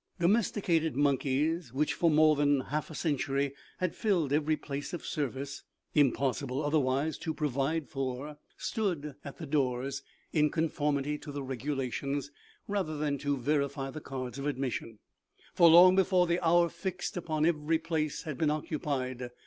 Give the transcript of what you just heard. Domesticated monkeys, which for more than half a century had filled every place of service impossible otherwise to provide for A DOMESTICATED MONKEY. 42 OMEGA. stood at the doors, in conformity to the regulations, rather than to verify the cards of admission ; for long before the hour fixed upon every place had been occupied.